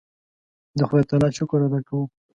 د خدای تعالی شکر ادا کوو.